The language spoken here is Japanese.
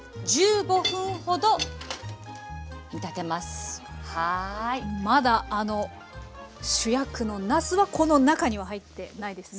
これで混ぜたらあとはまだあの主役のなすはこの中には入ってないですね。